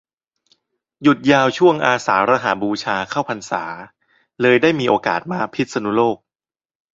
หยุดยาวช่วง อาสาฬบูชาเข้าพรรษา เลยได้มีโอกาสมาพิษณุโลก